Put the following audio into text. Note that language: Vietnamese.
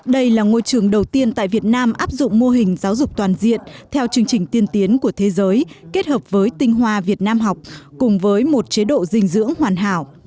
đây là ngôi trường đầu tiên tại việt nam áp dụng mô hình giáo dục toàn diện theo chương trình tiên tiến của thế giới kết hợp với tinh hoa việt nam học cùng với một chế độ dinh dưỡng hoàn hảo